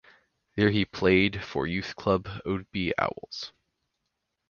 There he played for youth club Oadby Owls.